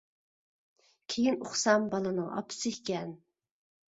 كېيىن ئۇقسام، بالىنىڭ ئاپىسى ئىكەن.